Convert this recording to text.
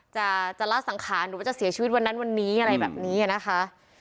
จะละสังขารหรือว่าจะเสียชีวิตวันนั้นวันนี้อะไรแบบนี้นะคะ